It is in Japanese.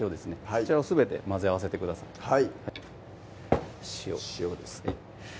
こちらをすべて混ぜ合わせてください塩塩ですね